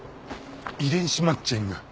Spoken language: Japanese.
遺伝子マッチング？